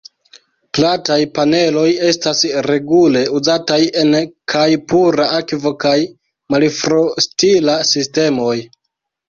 Plataj paneloj estas regule uzataj en kaj pura akvo kaj malfrostila sistemoj.